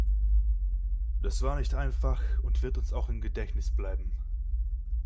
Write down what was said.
Das war nicht einfach und wird uns auch im Gedächtnis bleiben.